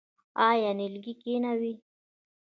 آیا نیالګی کینوو؟